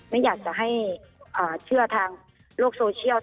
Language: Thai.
ไม่อยากจะให้เชื่อทางโลกโซเชียล